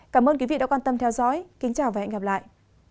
cảm ơn quý vị đã quan tâm theo dõi kính chào và hẹn gặp lại